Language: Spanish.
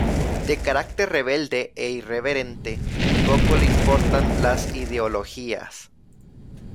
De carácter rebelde e irreverente, poco le importan las ideologías.